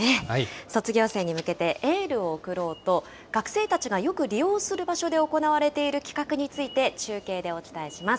卒業生に向けて、エールを送ろうと、学生たちがよく利用する場所で行われている企画について、中継でお伝えします。